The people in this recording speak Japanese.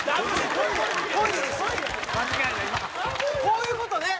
こういう事ね！